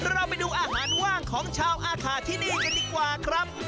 เราไปดูอาหารว่างของชาวอาขาที่นี่กันดีกว่าครับ